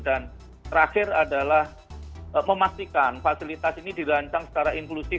dan terakhir adalah memastikan fasilitas ini dirancang secara inklusif